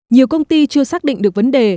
nhiều công ty chưa xác định được vấn đề